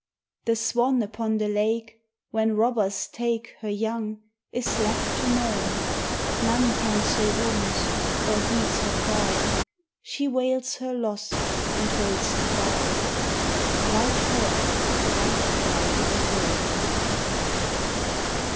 The swan upon the lake When robbers take Her young, is left to moan; None tends her wounds or heeds her cry, She wails her loss and waits to die: Like her I cry alone.